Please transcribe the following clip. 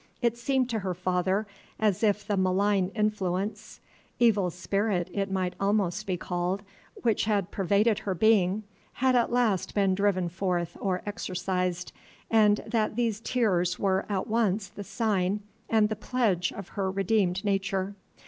It seemed to her father as if the malign influence evil spirit it might almost be called which had pervaded her being, had at last been driven forth or exorcised, and that these tears were at once the sign and the pledge of her redeemed nature.